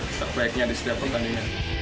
kebaikan terbaiknya di setiap pertandingan